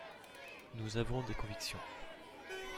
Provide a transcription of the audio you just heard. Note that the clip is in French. Nous avons des convictions.